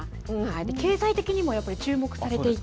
経済的にもやっぱり注目されていて。